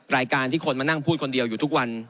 รายการที่คนมานั่งพูดคนเดียวอยู่ทุกวัน